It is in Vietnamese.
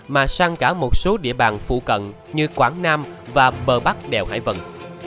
mà sang cả một số địa bàn phụ cận như quảng nam và bắc đông